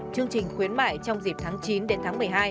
chương trình khuyến mại trong dịp tháng chín đến tháng một mươi hai